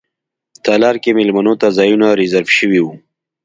تالار کې میلمنو ته ځایونه ریزرف شوي وو.